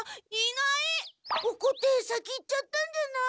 おこって先行っちゃったんじゃない？